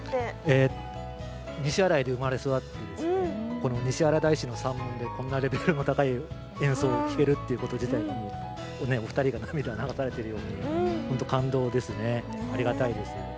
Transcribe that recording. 西新井で生まれ育って西新井大師の参道でこんなレベルの高い演奏を聴けるということ自体がお二人が涙を流されているように感動ですね、ありがたいです。